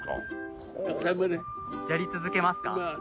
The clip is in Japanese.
やり続けますか？